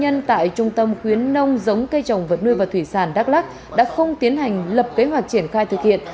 nhân tại trung tâm khuyến nông giống cây trồng vật nuôi và thủy sản đắk lắc đã không tiến hành lập kế hoạch triển khai thực hiện